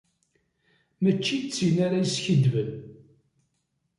Mačči d tin ara yeskiddben.